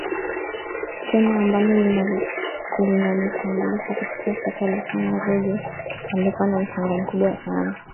Tena ambalo linanitambulisha katika soka alisema Ruge alikuwa na mchango mkubwa sana